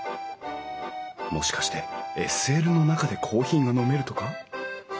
もしかしてＳＬの中でコーヒーが飲めるとか？